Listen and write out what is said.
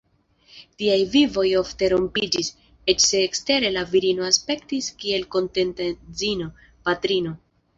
Tiaj vivoj ofte rompiĝis, eĉ se ekstere la virino aspektis kiel kontenta edzino, patrino.